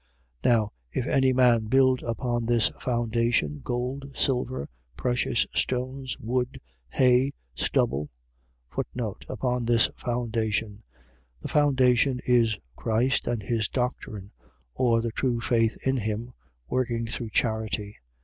3:12. Now, if any man build upon this foundation, gold, silver, precious stones, wood, hay, stubble: Upon this foundation. . .The foundation is Christ and his doctrine: or the true faith in him, working through charity.